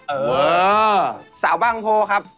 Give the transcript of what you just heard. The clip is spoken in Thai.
เออสาวบางโพครับ